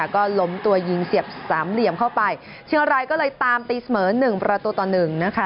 ก็ล้มตัวยิงเสียบสามเหลี่ยมเข้าไปเชียงรายก็เลยตามตีเสมอหนึ่งประตูต่อหนึ่งนะคะ